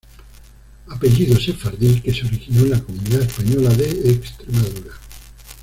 Apellido Sefardí que se originó en la comunidad española de Extremadura.